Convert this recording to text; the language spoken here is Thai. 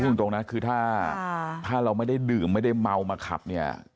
ตรงนะคือถ้าเราไม่ได้ดื่มไม่ได้เมามาขับเนี่ย